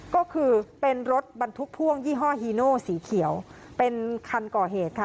ก็คือเป็นรถบรรทุกพ่วงยี่ห้อฮีโนสีเขียวเป็นคันก่อเหตุค่ะ